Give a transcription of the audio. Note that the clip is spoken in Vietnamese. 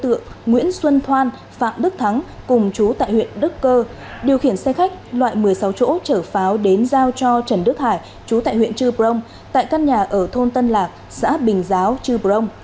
cơ quan công an thu giữ nguyễn xuân thoan phạm đức thắng cùng chú tại huyện đức cơ điều khiển xe khách loại một mươi sáu chỗ trở pháo đến giao cho trần đức hải chú tại huyện trư brông tại căn nhà ở thôn tân lạc xã bình giáo trư brông